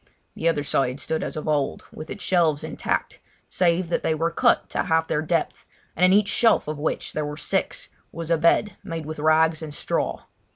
The other side stood as of old, with its shelves intact, save that they were cut to half their depth, and in each shelf of which there were six, was a bed made with rags and straw.